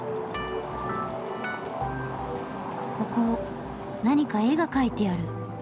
ここ何か絵が描いてある。